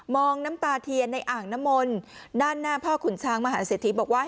มองน้ำตาเทียนในอ่างนมนต์นั่นหน้าพ่อขุนช้างมหาเสถีย์บอกว่า